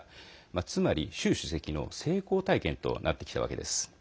つまり、習主席の成功体験となってきたわけです。